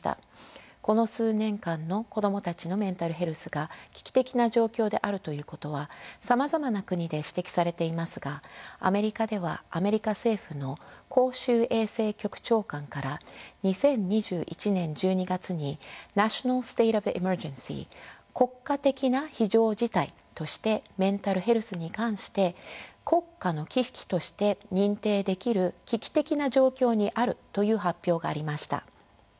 この数年間の子供たちのメンタルヘルスが危機的な状況であるということはさまざまな国で指摘されていますがアメリカではアメリカ政府の公衆衛生局長官から２０２１年１２月にＮａｔｉｏｎａｌＳｔａｔｅｏｆＥｍｅｒｇｅｎｃｙ国家的な非常事態としてメンタルヘルスに関して国家の危機として認定できる危機的な状況にあるという発表がありました。